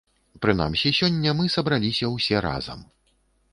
Прынамсі, сёння мы сабраліся ўсе разам.